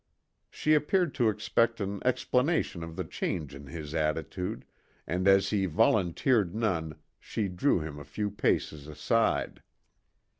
She appeared to expect an explanation of the change in his attitude, and as he volunteered none she drew him a few paces aside.